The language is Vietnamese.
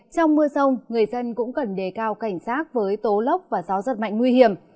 trong mưa rông người dân cũng cần đề cao cảnh giác với tố lốc và gió giật mạnh nguy hiểm